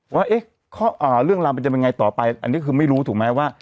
ว่าเรื่องราวมันจะเป็นยังไงต่อไปอันนี้คือไม่รู้ถูกไหมว่า